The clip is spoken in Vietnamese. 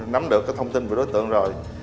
nắm được thông tin về đối tượng rồi